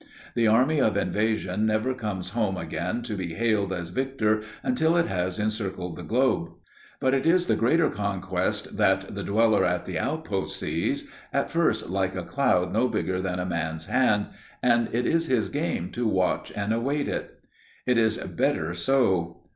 The army of invasion never comes home again to be hailed as victor until it has encircled the globe. But it is the greater conquest that the dweller at the outpost sees, at first like a cloud no bigger than a man's hand, and it is his game to watch and await it. It is better so.